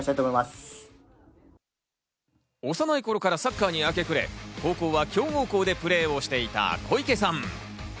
幼い頃からサッカーに明け暮れ、高校は強豪校でプレーをしていた小池さん。